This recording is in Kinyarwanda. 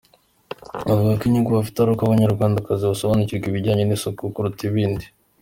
avugako inyungu bafite ari uko abanyarwandakazi basobanukirwa ibijyanye n'isuku kuruta ibindi.